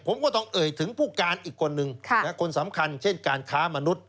ผมก็ต้องเอ่ยถึงผู้การอีกคนนึงคนสำคัญเช่นการค้ามนุษย